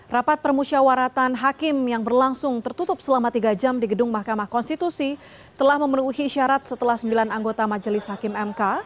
rapat permusyawaratan hakim yang berlangsung tertutup selama tiga jam di gedung mahkamah konstitusi telah memenuhi syarat setelah sembilan anggota majelis hakim mk